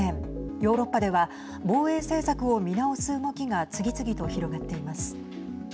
ヨーロッパでは防衛政策を見直す動きが次々と広がっています。